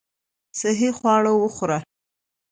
صحي خواړه وخوره .